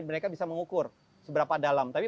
mereka bisa mengukur seberapa dalam tapi